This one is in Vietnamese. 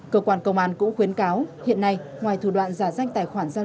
cơ quan công an cũng khuyến cáo hiện nay ngoài thủ đoạn giả danh tài khoản của mình